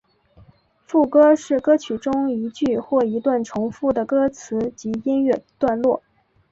副歌是歌曲中一句或一段重复的歌词及音乐段落。